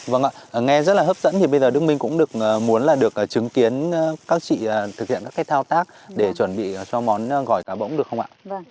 vâng ạ nghe rất là hấp dẫn thì bây giờ đức minh cũng được muốn là được chứng kiến các chị thực hiện các cái thao tác để chuẩn bị cho món gỏi cá bỗng được không ạ